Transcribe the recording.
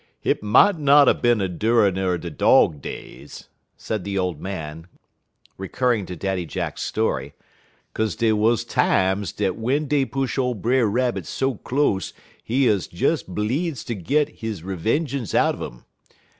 "Hit mought not er bin endurin' er de dog days," said the old man, recurring to Daddy Jack's story, "'kaze dey wuz times dat w'en dey push ole Brer Rabbit so close he 'uz des bleedz ter git he revengeance out'n um.